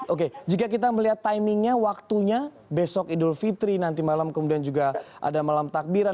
oke jika kita melihat timingnya waktunya besok idul fitri nanti malam kemudian juga ada malam takbiran